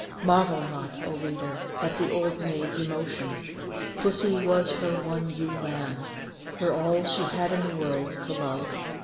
Marvel not, oh reader, at the old maid's emotion, pussy was her "one ewe lamb," her all she had in the world to love.